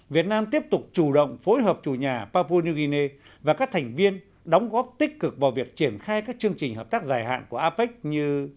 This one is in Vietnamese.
việt nam tiếp tục chủ động phối hợp chủ nhà papua new guinea và các thành viên đóng góp tích cực vào việc triển khai các chương trình hợp tác dài hạn của apec như